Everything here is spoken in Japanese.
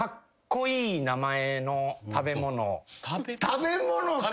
食べ物か。